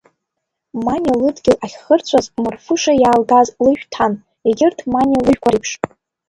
Маниа лыдгьыл ахьхырҵәаз, Марфуша иаалгаз лыжә ҭан, егьырҭ Маниа лыжәқәа реиԥш.